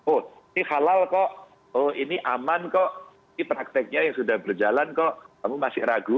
oh ini halal kok ini aman kok ini prakteknya yang sudah berjalan kok kamu masih ragu